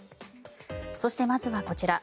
そして、まずはこちら。